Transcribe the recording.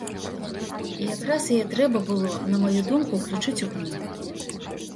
І якраз яе трэба было, на маю думку, уключыць у кнігу.